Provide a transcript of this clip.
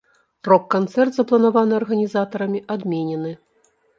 Рок-канцэрт, запланаваны арганізатарамі, адменены.